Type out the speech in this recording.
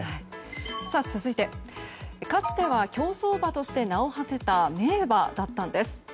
続いて、かつては競走馬として名を馳せた名馬だったんです。